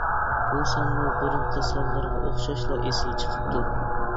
بۇ سانمۇ بۇرۇنقى سانلىرىغا ئوخشاشلا ئېسىل چىقىپتۇ.